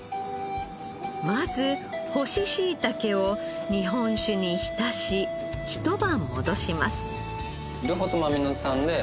まず干ししいたけを日本酒に浸しひと晩戻します。